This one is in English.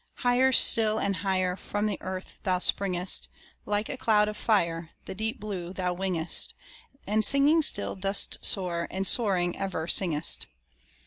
Higher still and higher From the earth thou springest: Like a cloud of fire, The blue deep thou wingest, And singing still dost soar, and soaring ever singest.